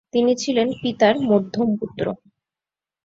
তিনি ছিলেন পিতার মধ্যম পুত্র।